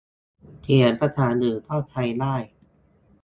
เขียนภาษาอื่นก็ใช้ได้